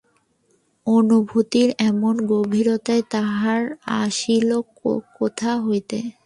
অনুভূতির এমন গভীরতা তাহার আসিল কোথা হইতে?